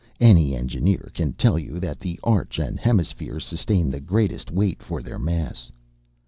Any engineer can tell you that the arch and hemisphere sustain the greatest weight for their mass.